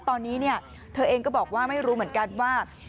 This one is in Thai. ตอนนี้เธอเองก็บอกว่าไม่รู้เหมือนกันว่า